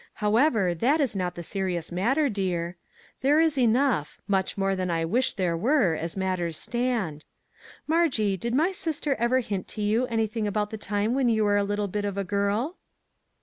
However, that is not the serious matter, dear; there is enough, much more than I wish there were, as matters stand. Margie, did my sister ever hint to you anything about the time when you were a little bit of a girl